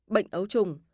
bệnh ấu trùng